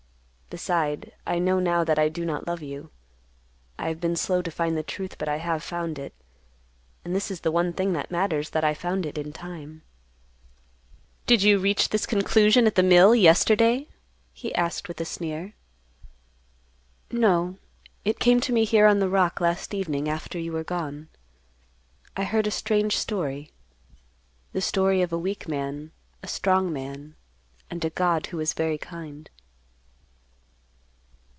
Beside, I know now that I do not love you. I have been slow to find the truth, but I have found it. And this is the one thing that matters, that I found it in time." "Did you reach this conclusion at the mill yesterday?" he asked with a sneer. "No. It came to me here on the rock last evening after you were gone. I heard a strange story; the story of a weak man, a strong man, and a God who was very kind."